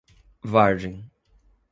Vargem